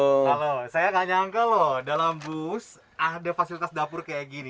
halo saya gak nyangka loh dalam bus ada fasilitas dapur kayak gini